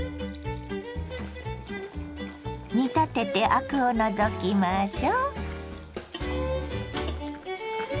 煮立ててアクを除きましょ。